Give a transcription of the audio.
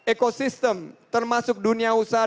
ekosistem termasuk dunia usaha